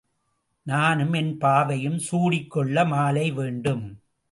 நானும் என் பாவையும் சூடிக்கொள்ள மாலை வேண்டும்.